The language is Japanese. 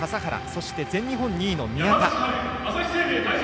そして、全日本２位の宮田。